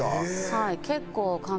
はい。